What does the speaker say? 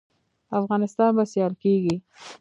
افغانستان به سیال کیږي